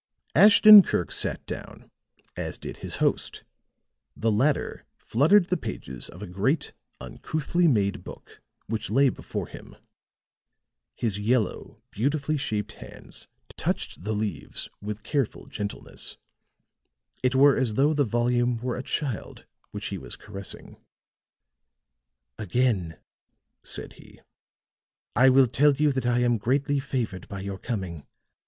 Ashton Kirk sat down, as did his host. The latter fluttered the pages of a great, uncouthly made book which lay before him; his yellow, beautifully shaped hands touched the leaves with careful gentleness; it were as though the volume were a child which he was caressing. "Again," said he, "I will tell you that I am greatly favored by your coming.